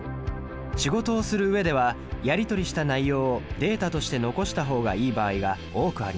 仕事をするうえではやり取りした内容をデータとして残した方がいい場合が多くあります。